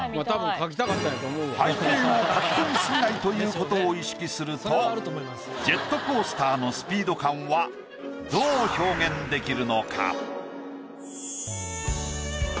背景を描き込み過ぎないということを意識するとジェットコースターのスピード感はどう表現できるのか？